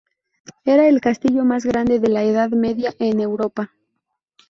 Era el castillo más grande de la Edad Media en Europa.